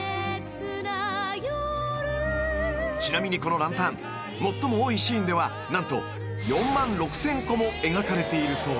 ［ちなみにこのランタン最も多いシーンでは何と４万６，０００個も描かれているそうです］